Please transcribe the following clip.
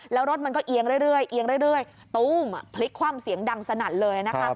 แล้วรถมันก็เอียงเรื่อยตุ้มพลิกคว่ำเสียงดังสนัดเลย